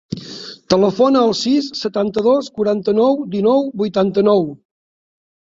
Telefona al sis, setanta-dos, quaranta-nou, dinou, vuitanta-nou.